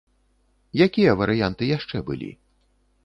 Якія варыянты яшчэ былі?